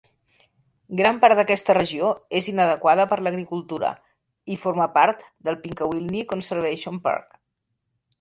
Gran part d'aquesta regió és inadequada per l'agricultura i forma part del "Pinkawillinie Conservation Park".